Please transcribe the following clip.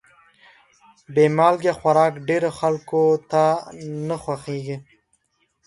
بې مالګې خوراک ډېرو خلکو ته نه خوښېږي.